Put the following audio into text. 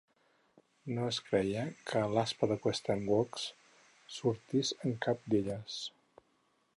No es creia que l'Asta de Weatherwax sortís en cap d'elles.